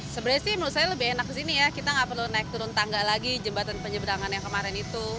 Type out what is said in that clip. sebenarnya sih menurut saya lebih enak di sini ya kita nggak perlu naik turun tangga lagi jembatan penyeberangan yang kemarin itu